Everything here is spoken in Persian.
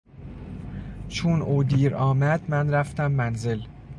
چون او دیرآمد من رفتم منزل.